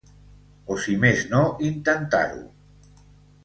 O si més no intentar-ho.